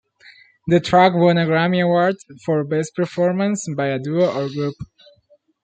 The track won a Grammy Award for 'Best Performance by a Duo or Group'.